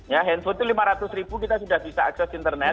ya handphone itu lima ratus ribu kita sudah bisa akses internet